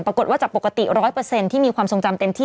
ปรากฏว่าจากปกติ๑๐๐ที่มีความทรงจำเต็มที่